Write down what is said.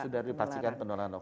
sudah dipastikan penularan lokal